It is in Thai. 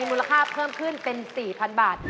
มูลค่าเพิ่มขึ้นเป็น๔๐๐๐บาท